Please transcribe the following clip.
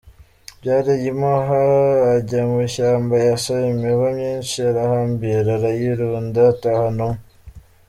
Barayimuha, ajya mu ishyamba yasa imiba myinshi arahambira arayirunda atahana umwe.